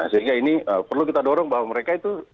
sehingga ini perlu kita dorong bahwa mereka itu